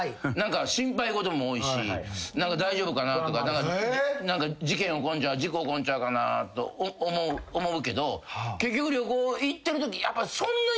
心配事も多いし大丈夫かなとか何か事件事故起こんちゃうかなと思うけど結局旅行行ってるとき。